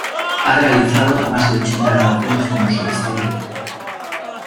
Ha realizado más de ochenta grabaciones como solista y director.